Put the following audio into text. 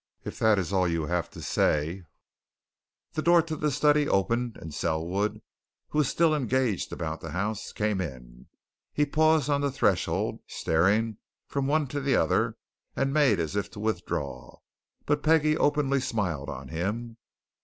If that is all you have to say " The door of the study opened, and Selwood, who was still engaged about the house, came in. He paused on the threshold, staring from one to the other, and made as if to withdraw. But Peggie openly smiled on him.